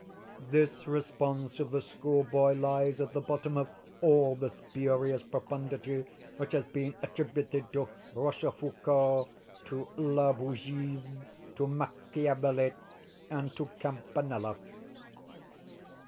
This response of the schoolboy lies at the bottom of all the spurious profundity which has been attributed to Rochefoucault, to La Bougive, to Machiavelli, and to Campanella."